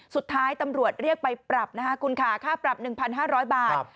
สุดท้ายตำรวจเรียกไปปรับนะคะคุณค่ะค่าปรับ๑๕๐๐บาท